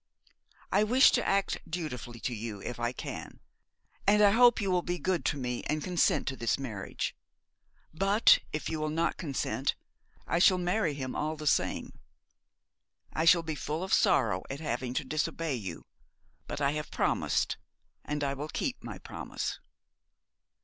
I wish to act dutifully to you, if I can, and I hope you will be good to me and consent to this marriage. But if you will not consent, I shall marry him all the same. I shall be full of sorrow at having to disobey you, but I have promised, and I will keep my promise.'